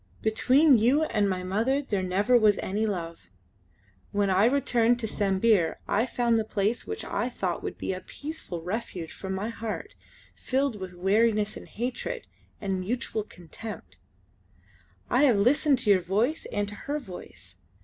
"Between you and my mother there never was any love. When I returned to Sambir I found the place which I thought would be a peaceful refuge for my heart, filled with weariness and hatred and mutual contempt. I have listened to your voice and to her voice.